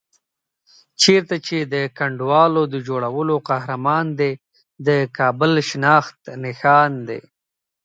چېرته چې د کنډوالو د جوړولو قهرمان دی، د کابل شناخت نښان دی.